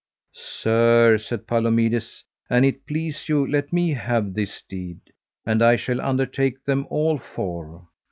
Sir, said Palomides, an it please you let me have this deed, and I shall undertake them all four.